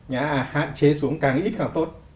hạn chế xuống càng ít càng tốt